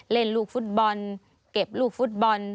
เล่นลูกฟุตบอลเก็บลูกฟุตบอล